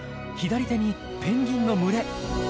左手にペンギンの群れ。